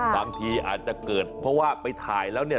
บางทีอาจจะเกิดเพราะว่าไปถ่ายแล้วเนี่ย